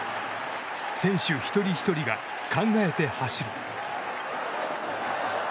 選手一人ひとりが考えて走る。